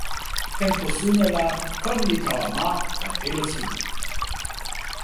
tenpo suno la kon li tawa ma tan telo suli.